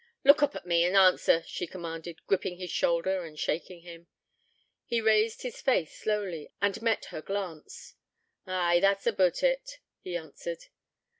'Look oop at me, and answer,' she commanded, gripping his shoulder and shaking him. He raised his face slowly, and met her glance. 'Ay, that's aboot it,' he answered.